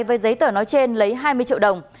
với giấy tờ nói trên lấy hai mươi triệu đồng